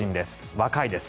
若いです。